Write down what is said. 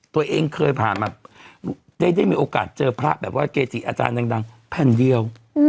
ตัวเองเคยผ่านมาได้มีโอกาสเจอพระแบบว่าเกจิอาจารย์ดังแผ่นเดียว